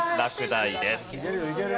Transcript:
いけるよいける。